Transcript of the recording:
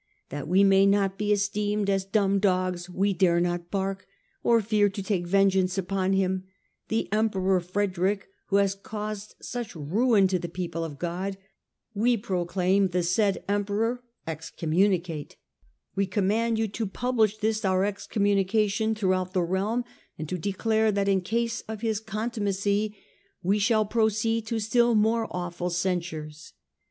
... That we may not be esteemed as dumb dogs, who dare not bark, or fear to take vengeance upon him, the Emperor Frederick, who has caused such ruin to the people of God, we proclaim the said Emperor excommunicate ; we command you to publish this our excommunication throughout the realm, and to declare that, in case of his contumacy, we shall proceed to still more awful censures.